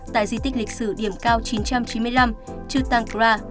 tại di tích lịch sử điểm cao chín trăm chín mươi năm chutang kra